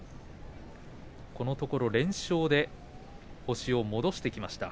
このところ連勝で星を戻してきました。